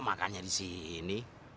makannya di sini